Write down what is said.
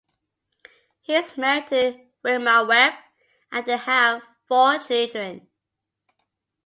He is married to Wilma Webb, and they have four children.